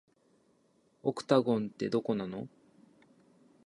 オクタゴンって、どこなの